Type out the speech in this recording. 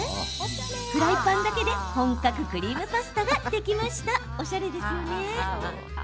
フライパンだけで本格クリームパスタができました。